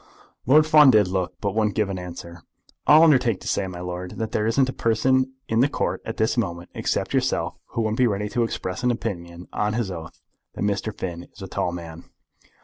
Lord Fawn did look, but wouldn't give an answer. "I'll undertake to say, my lord, that there isn't a person in the Court at this moment, except yourself, who wouldn't be ready to express an opinion on his oath that Mr. Finn is a tall man.